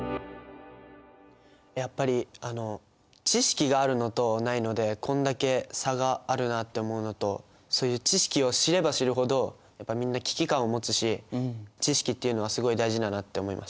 やっぱり知識があるのとないのでこんだけ差があるなって思うのとそういう知識を知れば知るほどみんな危機感を持つし知識っていうのはすごい大事だなって思いました。